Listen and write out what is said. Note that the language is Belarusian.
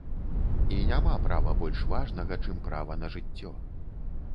І няма права больш важнага, чым права на жыццё.